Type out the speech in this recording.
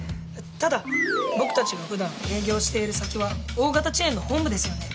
ただ僕たちが普段営業している先は大型チェーンの本部ですよね。